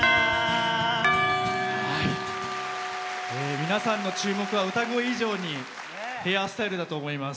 皆さんの注目は歌声以上にヘアスタイルだと思います。